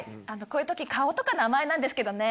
こういう時顔とか名前なんですけどね。